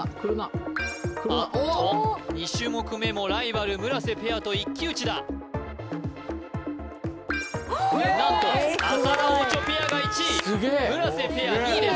おっと２種目めもライバル村瀬ペアと一騎打ちだ何と浅田・オチョペアが１位村瀬ペア２位です